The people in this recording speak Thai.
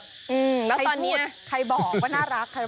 แล้วตอนนี้ใครบอกว่าน่ารัก